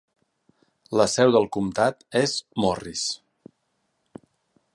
La seu del comtat és Morris.